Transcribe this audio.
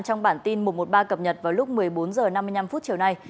trong bản tin một trăm một mươi ba cập nhật vào lúc một mươi bốn h năm mươi năm chiều nay